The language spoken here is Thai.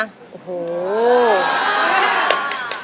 โห